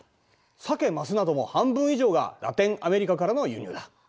サケ・マスなども半分以上がラテンアメリカからの輸入だ。